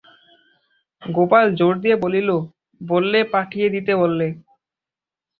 গোপাল জোর দিয়া বলিল, বললে, পাঠিয়ে দিতে বললে।